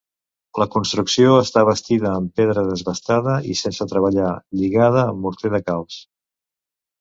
La construcció està bastida en pedra desbastada i sense treballar, lligada amb morter de calç.